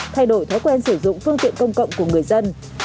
thay đổi thói quen sử dụng phương tiện công cộng của người dân